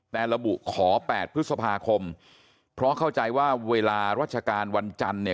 แต่ระบุขอ๘พฤษภาคมเพราะเข้าใจว่าเวลาราชการวันจันทร์เนี่ย